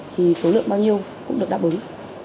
thì số lượng bao nhiêu cũng được đáp ứng